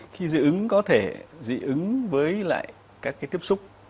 khi dị ứng có thể dị ứng với lại các cái tiếp xúc